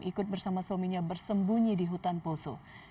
ikut bersama suaminya bersembunyi di hutan poso